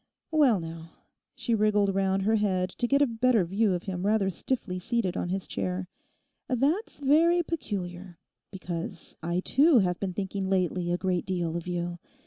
'Well, now,' she wriggled round her head to get a better view of him rather stiffly seated on his chair, 'that's very peculiar; because I too have been thinking lately a great deal of you.